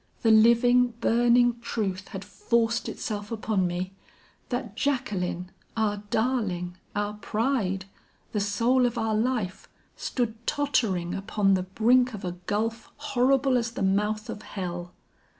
The living, burning truth had forced itself upon me, that Jacqueline, our darling, our pride, the soul of our life, stood tottering upon the brink of a gulf horrible as the mouth of hell.